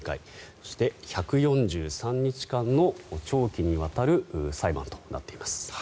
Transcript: そして１４３日間の長期にわたる裁判となっています。